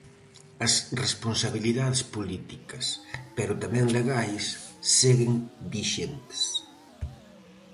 As responsabilidades políticas, pero tamén legais, seguen vixentes.